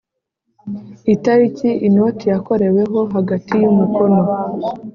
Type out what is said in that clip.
Itariki inoti yakoreweho hagati y umukono